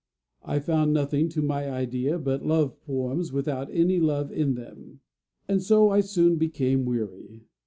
I found nothing, to my idea, but love poems without any love in them, and so I soon became weary.